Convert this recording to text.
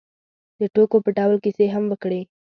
د ټوکو په ډول کیسې هم وکړې.